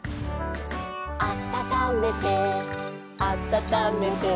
「あたためてあたためて」